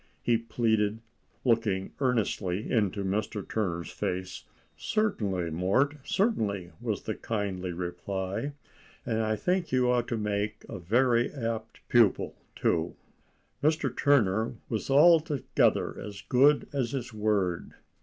he pleaded, looking earnestly into Mr. Turner's face. "Certainly, Mort, certainly," was the kindly reply; "and I think you ought to make a very apt pupil, too." Mr. Turner was altogether as good as his word.